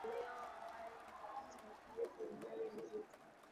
wakaona katika maeneo ambayo tayari sauti zetu